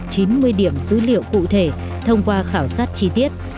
chín mươi điểm dữ liệu cụ thể thông qua khảo sát chi tiết